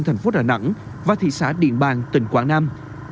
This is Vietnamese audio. thành phố đà nẵng và thị xã điện bàn tỉnh quảng nam